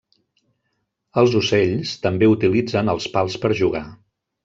Els ocells també utilitzen els pals per jugar.